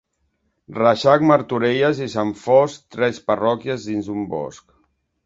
Reixac, Martorelles i Sant Fost, tres parròquies dins un bosc.